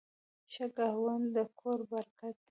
ښه ګاونډ د کور برکت دی.